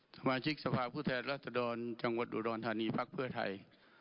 สมาชิกสภาพผู้เจอร์ไม่เศียรรทร์จังหวัดอุโรนทหารีฟักประเทศไทย